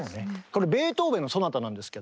これベートーベンの「ソナタ」なんですが。